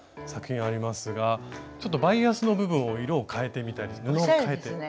作品ありますがちょっとバイアスの部分を色を変えてみたり布を変えて。